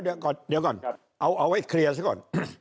เดี๋ยวก่อนเอาไว้เคลียร์ซะก่อน